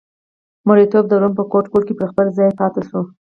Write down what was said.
مریتوب د روم په ګوټ ګوټ کې پر خپل ځای پاتې شو